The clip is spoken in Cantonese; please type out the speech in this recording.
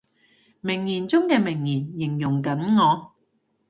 名言中嘅名言，形容緊我